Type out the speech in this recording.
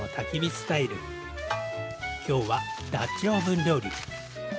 きょうはダッチオーブン料理。